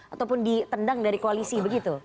ataupun ditendang dari koalisi begitu